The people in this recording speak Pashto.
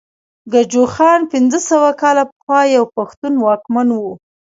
ګجوخان پنځه سوه کاله پخوا يو پښتون واکمن وو